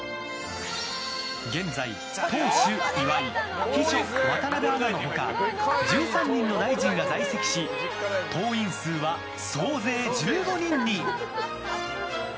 現在、党首・岩井秘書・渡邊アナの他１３人の大臣が在籍し党員数は総勢１５人に。